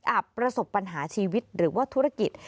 ประสบปัญหาชีวิตหรือว่าธุรกิจ